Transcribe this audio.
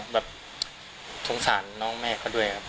แบบสงสารน้องแม่เขาด้วยครับ